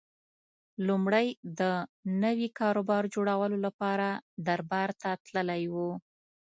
لومړی د نوي کاروبار جوړولو لپاره دربار ته تللی و